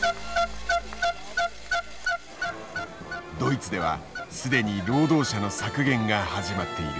ドイツでは既に労働者の削減が始まっている。